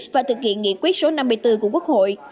và thực hiện nghị quyết số năm mươi bốn của quốc hội